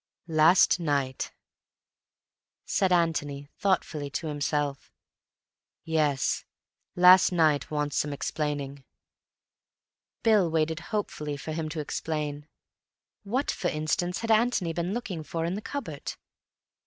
"Last night," said Antony thoughtfully to himself. "Yes, last night wants some explaining." Bill waited hopefully for him to explain. What, for instance, had Antony been looking for in the cupboard?